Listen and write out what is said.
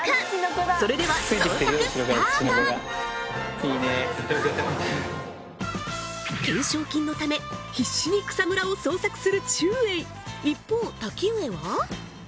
それでは懸賞金のため必死に草むらを捜索するちゅうえい